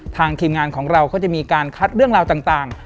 ทีมงานของเราก็จะมีการคัดเรื่องราวต่าง